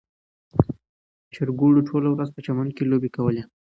چرګوړو ټوله ورځ په چمن کې لوبې کولې.